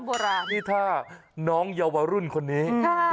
โบราณนี่ถ้าน้องเยาวรุ่นคนนี้